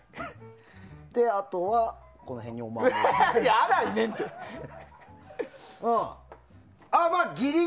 あとはこの辺にお守り。